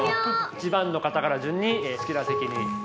１番の方から順に好きな席に。